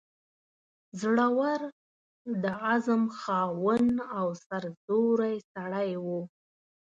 زړه ور، د عزم خاوند او سرزوری سړی وو.